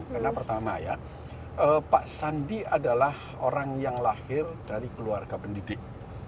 karena pertama ya pak sandi adalah orang yang lahir dari keluarga pendidik